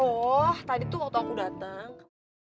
oh tadi tuh waktu aku datang